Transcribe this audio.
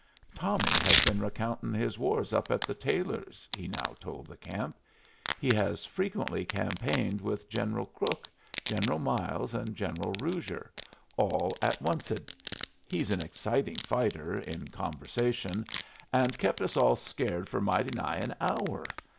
"Tommy has been recountin' his wars up at the Taylors'," he now told the camp. "He has frequently campaigned with General Crook, General Miles, and General Ruger, all at onced. He's an exciting fighter, in conversation, and kep' us all scared for mighty nigh an hour.